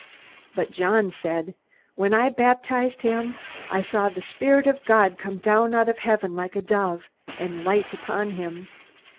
_ But John said: "When I baptized him, I saw the Spirit of God come down out of heaven like a dove, and light upon him.